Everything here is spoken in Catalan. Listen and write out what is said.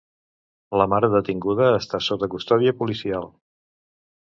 La mare detinguda està sota custòdia policial.